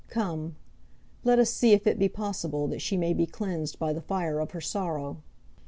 Come; let us see if it be possible that she may be cleansed by the fire of her sorrow.